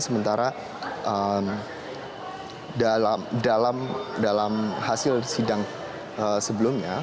sementara dalam hasil sidang sebelumnya